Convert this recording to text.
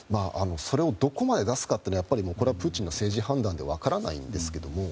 それをどこまで出すかというのはプーチンの政治判断で分からないんですけど